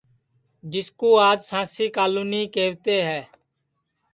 جِسکُو آج سانٚسی کالونی کیہتے ہے